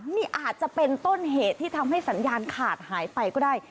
นี่อาจจะเป็นต้นเหตุที่ทำให้สัญญาณขาดหายไปก็ได้